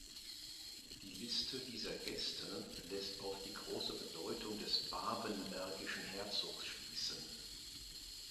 Die Liste dieser Gäste lässt auf die große Bedeutung des babenbergischen Herzogs schließen.